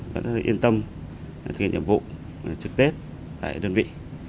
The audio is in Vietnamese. vẫn yên tâm thực hiện nhiệm vụ trực tết tại đơn vị